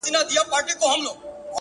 دا غرونه ‘ غرونه دي ولاړ وي داسي’